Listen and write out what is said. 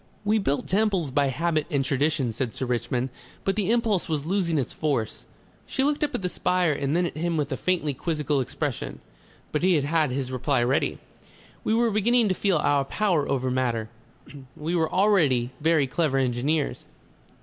"We built temples by habit and tradition," said Sir Richmond. "But the impulse was losing its force." She looked up at the spire and then at him with a faintly quizzical expression. But he had his reply ready. "We were beginning to feel our power over matter. We were already very clever engineers.